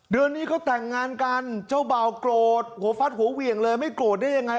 เดือนนี้เขาแต่งงานกันเจ้าบ่าวโกรธหัวฟัดหัวเหวี่ยงเลยไม่โกรธได้ยังไง